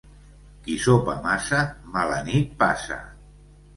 Qui sopa massa mala nit passa.